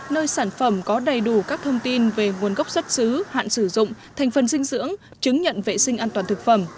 nơi sản phẩm có đầy đủ các thông tin về nguồn gốc xuất xứ hạn sử dụng thành phần dinh dưỡng chứng nhận vệ sinh an toàn thực phẩm